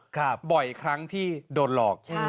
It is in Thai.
บ่อยครั้งที่โดนหลอก